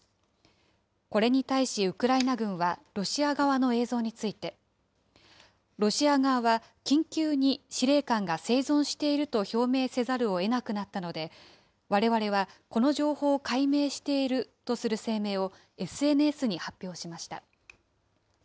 これに対しウクライナ軍は、ロシア側の映像について、ロシア側は緊急に司令官が生存していると表明せざるをえなくなったので、われわれはこの情報を解明しているとする声明をＳＮＳに発表しました。